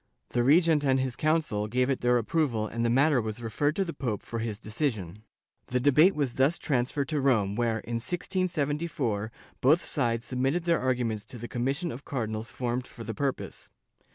The regent and his council gave it their approval and the matter was referred to the pope for his decision.^ The debate was thus transferred to Rome where, in 1674, both sides submitted their arguments to the commission of Cardinals formed for the purpose.